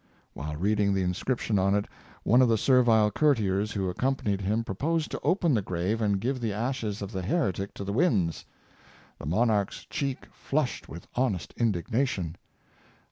While read ing the inscription on it, one of the servile courtiers who accompanied him proposed to open the grave and give the ashes of the " heretic " to the winds. The monarch's cheek flushed with honest indignation.